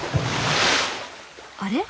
あれ？